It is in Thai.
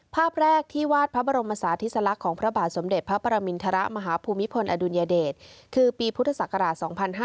ภาพแรกที่วาดพระบรมศาธิสลักษณ์ของพระบาทสมเด็จพระปรมินทรมาฮภูมิพลอดุลยเดชคือปีพุทธศักราช๒๕๕๙